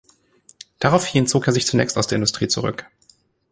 Daraufhin zog er sich zunächst aus der Industrie zurück.